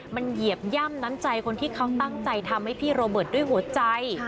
มันเหยียบย่ำน้ำใจคนที่เขาตั้งใจทำให้พี่โรเบิร์ตด้วยหัวใจ